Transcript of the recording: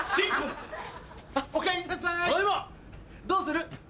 どうする？